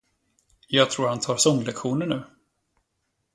Jag tror han tar sånglektioner nu.